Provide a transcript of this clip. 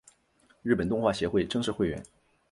日本动画协会正式会员。